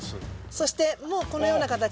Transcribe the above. そしてもうこのような形で。